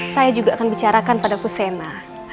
saya juga akan bicarakan pada fusena